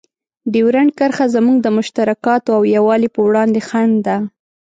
ډیورنډ کرښه زموږ د مشترکاتو او یووالي په وړاندې خنډ ده.